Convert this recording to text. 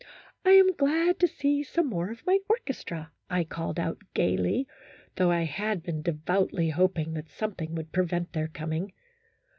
" I am glad to see some more of my orchestra," I called out, gaily, though I had been devoutly hoping that something would prevent their coming.